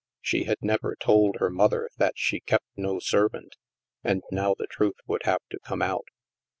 She had never told her mother that she kept no servant, and now the truth would have to come out.